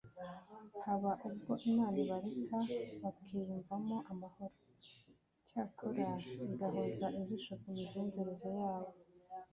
haba ubwo imana ibareka bakiyumvamo amahoro, icyakora igahoza ijisho ku migenzereze yabo